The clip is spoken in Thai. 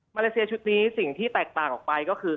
เลเซียชุดนี้สิ่งที่แตกต่างออกไปก็คือ